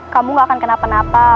kamu gak akan kena penapa